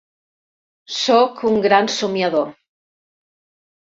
Soc un gran somiador.